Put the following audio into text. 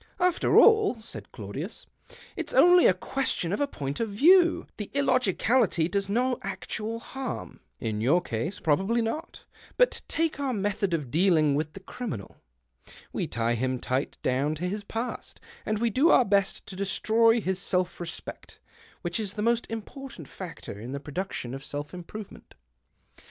" After all," said Claudius, " it's only a question of a point of view^. The illogicality does no actual harm." "' In your case possibly not. But take our method of dealing with the criminal. We tie him tight down to his past, and we do our best to destroy his self respect, which is the most important factor in the production 128 THE OCTAVE OF CLAUDIUS. of self improvement.